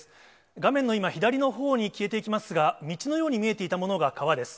画面の今、左のほうに消えていきますが、道のように見えていたものが川です。